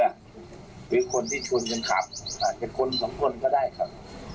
หรือคนที่ชนกันขับอาจจะคนสองคนก็ได้ครับ